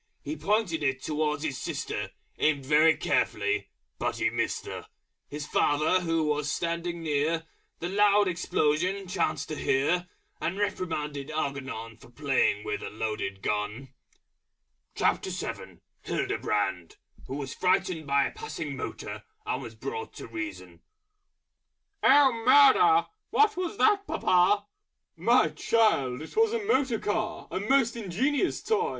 He pointed it towards his sister, Aimed very carefully, but Missed her! His Father, who was standing near, The Loud Explosion chanced to Hear, And reprimanded Algernon For playing with a Loaded Gun. HILDEBRAND, Who was frightened by a Passing Motor, and was brought to Reason. "Oh, Murder! What was that, Papa!" "My child, It was a Motor Car, A Most Ingenious Toy!